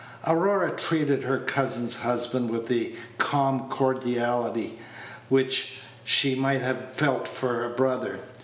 Aurora treated her cousin's husband with the calm cordiality which she might have felt for a brother.